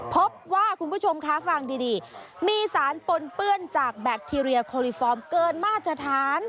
พบว่าคุณผู้ชมคะฟังดีมีสารปนเปื้อนจากแบคทีเรียโคลิฟอร์มเกินมาตรฐาน